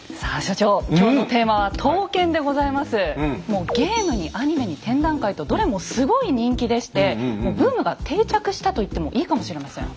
もうゲームにアニメに展覧会とどれもすごい人気でしてもうブームが定着したと言ってもいいかもしれません。